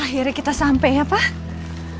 akhirnya kita sampai ya pak